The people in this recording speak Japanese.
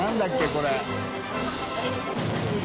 これ。